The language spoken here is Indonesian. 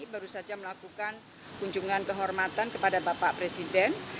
baru saja melakukan kunjungan kehormatan kepada bapak presiden